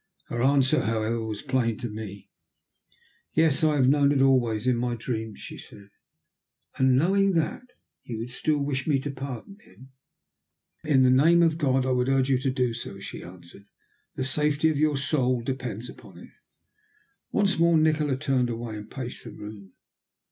Her answer, however, was plain to me. "Yes, I have known it always in my dreams," she said. "And knowing that, you would still wish me to pardon him?" [Illustration: "She knelt, with arms outstretched, in supplication."] "In the name of God I would urge you to do so," she answered. "The safety of your soul depends upon it." Once more Nikola turned away and paced the room.